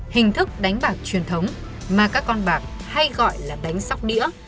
hình thức đánh bạc truyền thống mà các con bạc hay gọi là đánh sóc đĩa